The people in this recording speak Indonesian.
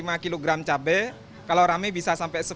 saya ini jualan bakso sehari bisa sampai lima kg cabai